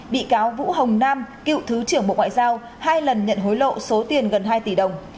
bị cáo vũ hồng nam cựu thứ trưởng bộ ngoại giao hai lần nhận hối lộ số tiền gần hai tỷ đồng